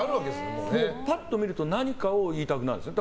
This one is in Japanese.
パッと見ると何かを言いたくなるんですよ。